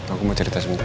aku mau cerita sebentar